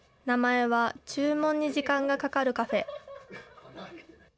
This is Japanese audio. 名前は、注文に時間がかかるカフェ。